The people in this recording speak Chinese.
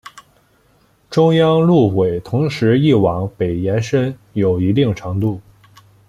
中央路轨同时亦往北延伸有一定长度。